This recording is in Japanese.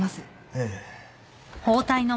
ええ。